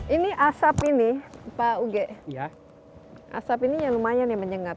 ini asap ini pak uge asap ini ya lumayan ya menyengat